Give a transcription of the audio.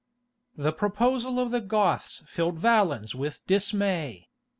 The proposal of the Goths filled Valens with dismay.